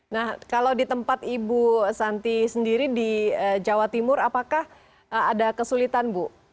nah kalau di tempat ibu santi sendiri di jawa timur apakah ada kesulitan bu